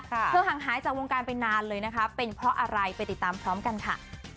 ห่างหายจากวงการไปนานเลยนะคะเป็นเพราะอะไรไปติดตามพร้อมกันค่ะ